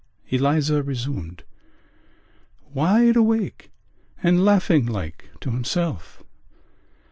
Eliza resumed: "Wide awake and laughing like to himself....